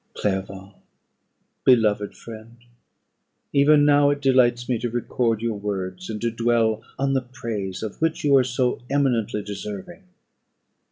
Clerval! beloved friend! even now it delights me to record your words, and to dwell on the praise of which you are so eminently deserving.